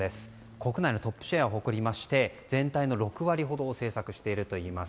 国内のトップシェアを誇りまして全体の６割ほどを製作しているといいます。